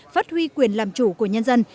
phát huy quyền làm chủ của nhân dân